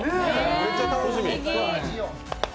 めっちゃ楽しみ。